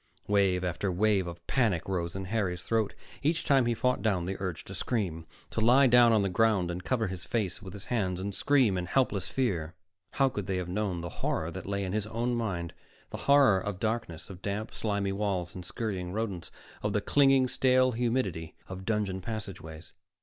Wave after wave of panic rose in Harry's throat. Each time he fought down the urge to scream, to lie down on the ground and cover his face with his hands and scream in helpless fear. How could they have known the horror that lay in his own mind, the horror of darkness, of damp slimy walls and scurrying rodents, of the clinging, stale humidity of dungeon passageways?